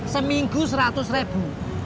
seminggu seratus ribu